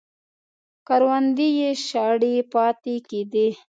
کروندې یې شاړې پاتې کېدې